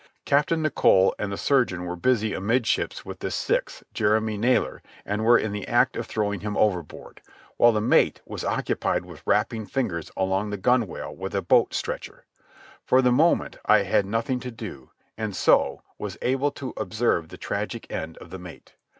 Captain Nicholl and the surgeon were busy amidships with the sixth, Jeremy Nalor, and were in the act of throwing him overboard, while the mate was occupied with rapping the fingers along the gunwale with a boat stretcher. For the moment I had nothing to do, and so was able to observe the tragic end of the mate.